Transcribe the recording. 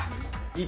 １。